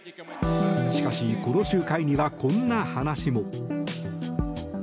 しかし、この集会にはこんな話も。